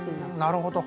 なるほど。